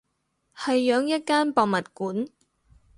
係養一間博物館